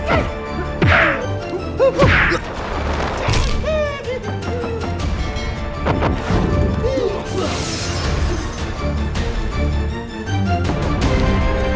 ada seorang masyarakat bersama kami